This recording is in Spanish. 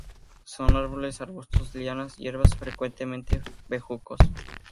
Son árboles, arbustos, lianas y hierbas, frecuentemente bejucos.